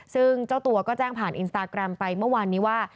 ซึ่งเจ้าตัวก็แจ้งผ่านอินสตาแกรมไปเมื่อวานนี้ว่า